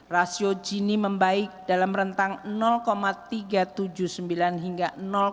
rasio gini membaik dalam rentang tiga ratus tujuh puluh sembilan hingga tiga ratus delapan puluh dua